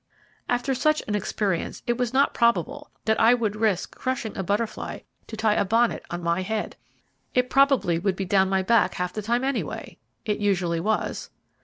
After such an experience, it was not probable that I would risk crushing a butterfly to tie a bonnet on my head. It probably would be down my back half the time anyway. It usually was.